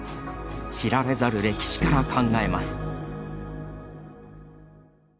知られざる歴史から考えます。